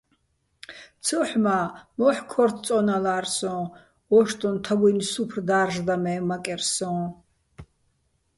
ცოჰ̦ მა́, მოჰ̦ ქორთო̆ წო́ნალარ სოჼ ოშტუჼ თაგუჲნი̆ სუფრ და́რჟდაჼ მე მაკერ სოჼ.